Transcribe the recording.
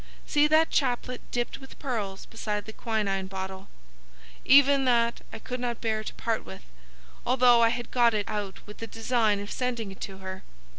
See that chaplet dipped with pearls beside the quinine bottle. Even that I could not bear to part with, although I had got it out with the design of sending it to her.